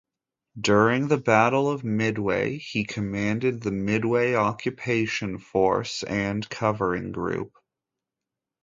During the Battle of Midway, he commanded the Midway Occupation Force and Covering Group.